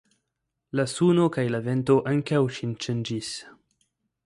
La suno kaj la vento ankaŭ ŝin ŝanĝis.